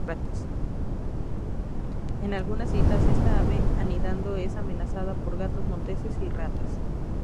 En algunas islas, esta ave anidando es amenazada por gatos monteses y ratas.